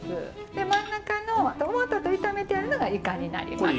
で真ん中のトマトと炒めてあるのがイカになります。